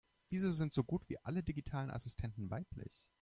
Wieso sind so gut wie alle digitalen Assistenten weiblich?